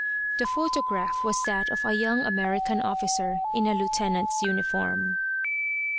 The photograph was that of a young American officer, in a lieutenant's uniform.